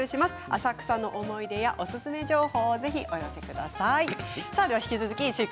浅草の思い出やおすすめ情報をぜひお寄せください。